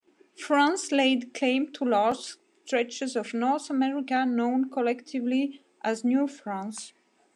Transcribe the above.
France laid claim to large stretches of North America, known collectively as New France.